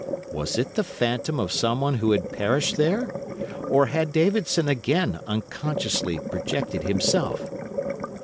Was it the phantom of someone who had perished there, or had Davidson again unconsciously projected himself?